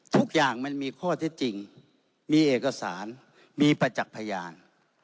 ทุกอย่างมันมีข้อเท็จจริงมีเอกสารมีประจักษ์พยาน